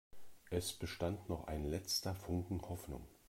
Es bestand noch ein letzter Funken Hoffnung.